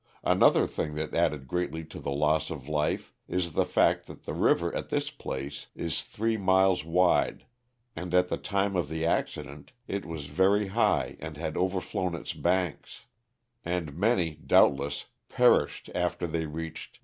Another thing that added greatly to the loss of life is the fact that the river at this place is three miles wide, and at the time of the accident it was very high and had overflown its banks, and many, doubtless, perished after they reached 10 introductio:n".